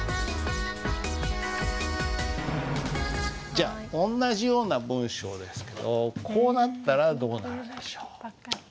じゃあ同じような文章ですけどこうなったらどうなるでしょう？